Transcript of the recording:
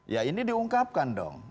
ya ini diungkapkan dong